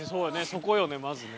そこよねまずね。